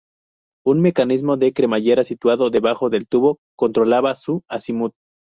Un mecanismo de cremallera situado debajo del tubo controlaba su acimut.